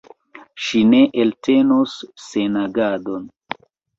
Ŝi ne eltenos senagadon.